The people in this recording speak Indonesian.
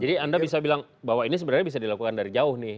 jadi anda bisa bilang bahwa ini sebenarnya bisa dilakukan dari jauh nih